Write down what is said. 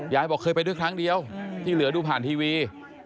บอกเคยไปด้วยครั้งเดียวที่เหลือดูผ่านทีวี